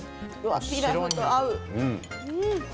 ピラフと合う。